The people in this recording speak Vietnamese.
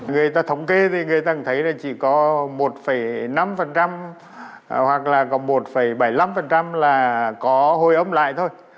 người ta thống kê thì người ta thấy là chỉ có một năm hoặc là còn một bảy mươi năm là có hồi ấm lại thôi